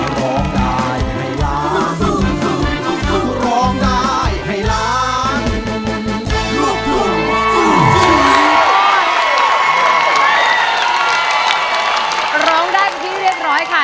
ร้องได้ที่เรียบร้อยค่ะ